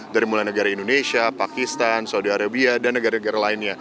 dari mulai negara indonesia pakistan saudi arabia dan negara negara lainnya